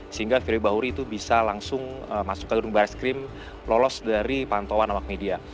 sehingga firly bahuri itu bisa langsung masuk ke gedung baris krim lolos dari pantauan awak media